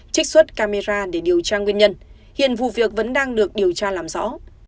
trích xuất camera để điều tra nguyên nhân hiện vụ việc vẫn đang được điều tra làm rõ